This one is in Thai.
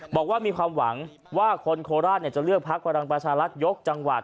บอกว่ามีความหวังว่าคนโคราชจะเลือกพักพลังประชารัฐยกจังหวัด